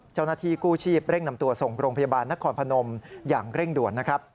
เจ้าหน้าที่กู้ชีพเร่งนำตัวส่งโรงพยาบาลนครพนมอย่างเร่งด่วนนะครับ